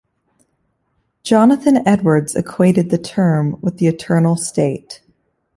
Jonathan Edwards equated the term with the eternal state.